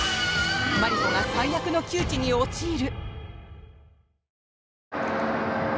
マリコが最悪の窮地に陥る！